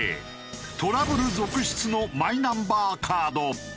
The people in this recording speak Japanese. トラブル続出のマイナンバーカード。